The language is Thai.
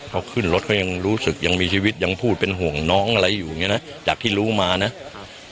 เขาขึ้นรถเขายังรู้สึกยังมีชีวิตยังพูดเป็นห่วงน้องอะไรอยู่อย่างเงี้นะจากที่รู้มานะครับ